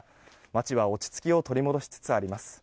町は落ち着きを取り戻しつつあります。